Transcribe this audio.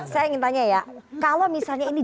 saya ingin tanya ya kalau misalnya ini